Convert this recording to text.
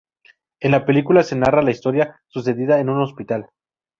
En la película se narra la historia sucedida en un hospital.